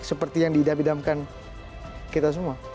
seperti yang diidam idamkan kita semua